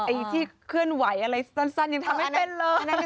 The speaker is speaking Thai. ไอ้ที่เคลื่อนไหวอะไรสั้นยังทำไม่เป็นเลย